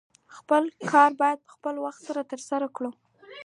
خپل کار باید په خپل وخت سره ترسره کړې